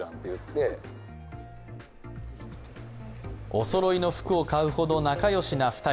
おそろいの服を買うほど仲良しな２人。